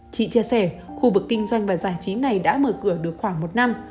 chị chia sẻ khu vực kinh doanh và giải trí này đã mở cửa được khoảng một năm